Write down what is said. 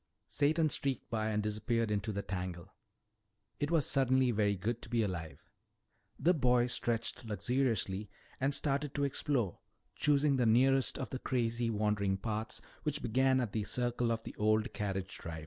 Satan streaked by and disappeared into the tangle. It was suddenly very good to be alive. The boy stretched luxuriously and started to explore, choosing the nearest of the crazy, wandering paths which began at the circle of the old carriage drive.